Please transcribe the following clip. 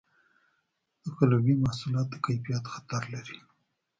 تقلبي محصولات د کیفیت خطر لري.